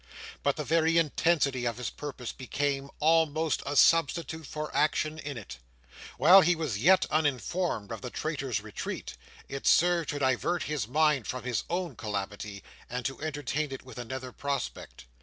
But the very intensity of his purpose became almost a substitute for action in it. While he was yet uninformed of the traitor's retreat, it served to divert his mind from his own calamity, and to entertain it with another prospect.